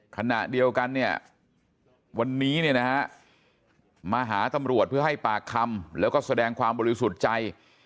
ขณะเดียวกันเนี่ยวันนี้เนี่ยนะฮะมาหาตำรวจเพื่อให้ปากคำแล้วก็แสดงความบริสุทธิ์ใจ